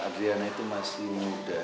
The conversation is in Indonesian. adriana itu masih muda